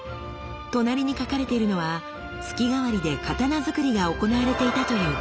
隣に書かれているのは月替わりで刀づくりが行われていたという記録。